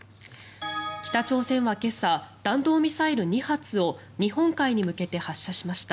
北朝鮮は今朝、弾道ミサイル２発を日本海に向けて発射しました。